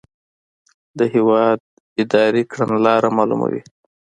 د هیواد اداري کړنلاره معلوموي.